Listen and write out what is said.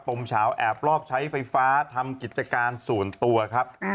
มเฉาแอบรอบใช้ไฟฟ้าทำกิจการส่วนตัวครับ